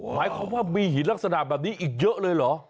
หมายความว่ามีหินลักษณะแบบนี้อีกเยอะเลยเหรอ